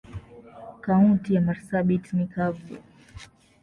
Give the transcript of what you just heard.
Kaunti ya marsabit ni kavu.